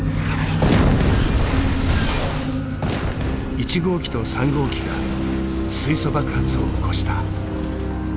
１号機と３号機が水素爆発を起こした。